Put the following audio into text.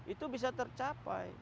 itu bisa tercapai